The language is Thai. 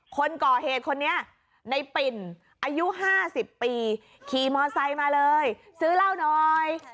คนก่อเหตุคนนี้ในปิ่นอายุ๕๐ปีขี่มอไซค์มาเลยซื้อเหล้าหน่อย